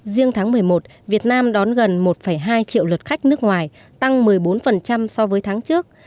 riêng tháng một mươi một việt nam đón gần một hai triệu lượt khách nước ngoài tăng một mươi bốn so với tháng trước